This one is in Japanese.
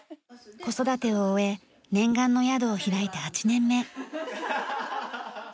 子育てを終え念願の宿を開いて８年目。